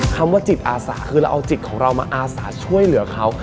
คำว่าจิตอาสาคือเราเอาจิตของเรามาอาสาช่วยเหลือเขา